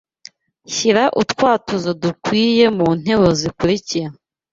Shyira utwatuzo dukwiye mu nteruro zikurikira